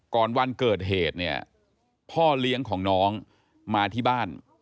วันเกิดเหตุเนี่ยพ่อเลี้ยงของน้องมาที่บ้าน